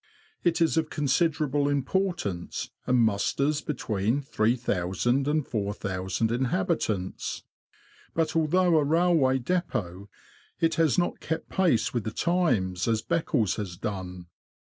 It is of considerable importance, and musters between 3000 and 4000 inhabitants ; but although a railway depot, it has not kept pace with the times, as Beccles has done.